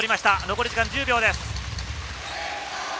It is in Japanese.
残り時間は１０秒です。